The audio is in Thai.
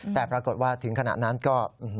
แต่ปรากฏว่าถึงขณะนั้นก็